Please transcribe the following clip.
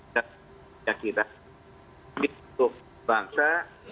tidak ada yang kita ikuti untuk bangsa